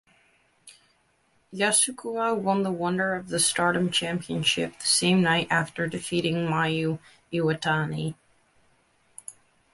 Yasukawa won the Wonder of Stardom Championship the same night after defeating Mayu Iwatani.